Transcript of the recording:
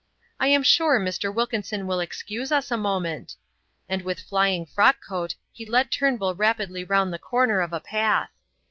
"I am sure Mr. Wilkinson will excuse us a moment." And with flying frock coat he led Turnbull rapidly round the corner of a path.